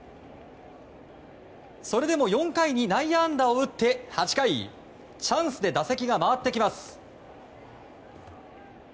それでも４回に内野安打を打って８回チャンスで打席が回ってきます。